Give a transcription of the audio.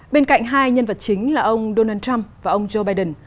bên cạnh hai nhân vật chính là ông donald trump và ông joe biden